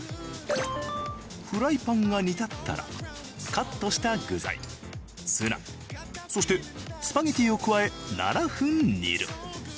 フライパンが煮立ったらカットした具材ツナそしてスパゲティを加え７分煮る。